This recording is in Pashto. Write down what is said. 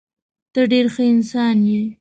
ته ډېر ښه انسان یې.